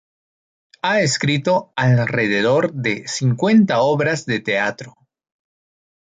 Ha escrito alrededor de cincuenta obras de teatro.